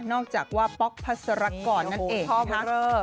นอกจากว่าป๊อกภัสระกอร์ณักเองค่ะ